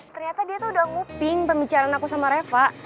ternyata dia tuh udah nguping pembicaraan aku sama reva